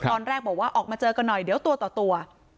ตอนแรกบอกว่าออกมาเจอกันหน่อยเดี๋ยวตัวต่อตัว